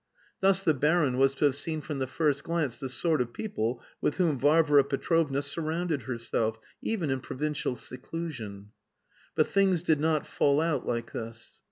Thus the baron was to have seen from the first glance the sort of people with whom Varvara Petrovna surrounded herself, even in provincial seclusion. But things did not fall out like this.